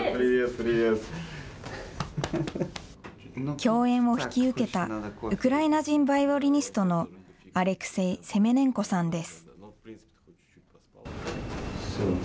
共演を引き受けた、ウクライナ人バイオリニストの、アレクセイ・セメネンコさんです。